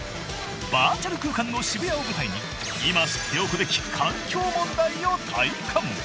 バーチャル空間の渋谷を舞台に今知っておくべき環境問題を体感。